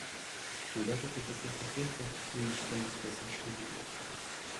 Но даже при таких успехах, мы не считаем себя совершенными.